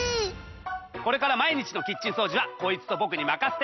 これから毎日のキッチン掃除はこいつと僕に任せて！